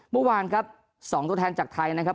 เมื่อวานครับ๒ตัวแทนจากไทยนะครับ